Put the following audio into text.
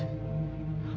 semua gar attacking